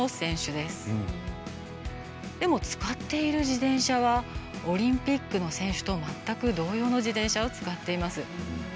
でも、使っている自転車はオリンピックの選手と全く同様の自転車を使っています。